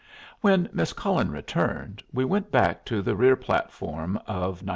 When Miss Cullen returned we went back to the rear platform of 97.